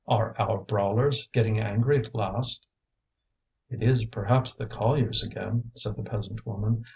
"Are our brawlers getting angry at last?" "It is perhaps the colliers again," said the peasant woman.